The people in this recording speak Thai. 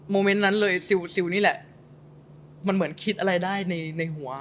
เมนต์นั้นเลยซิลซิลนี่แหละมันเหมือนคิดอะไรได้ในในหัว